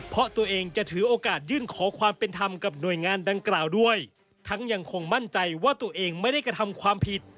เพราะตัวเองจะถือโอกาสยื่นขอความเป็นธรรมกับหน่วยงานดังกล่าวด้วยทั้งยังคงมั่นใจว่าตัวเองไม่ได้กระทำความผิด